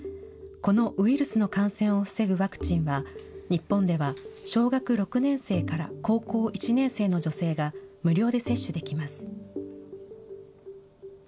このウイルスの感染を防ぐワクチンは、日本では小学６年生から高校１年生の女性が無料で接種できます。